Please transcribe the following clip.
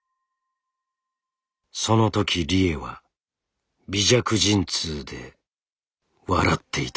そのとき理栄は微弱陣痛で笑っていた」。